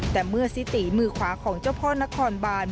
แต่เมื่อซิตีมือขวาของเจ้าพ่อนครบาน